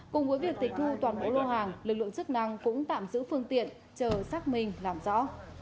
cùng với việc tịch thu toàn bộ lô hàng lực lượng chức năng cũng tạm giữ phương tiện chờ xác minh làm rõ